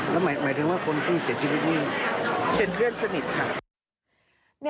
หมายถึงว่าคนเสียชีวิตนี้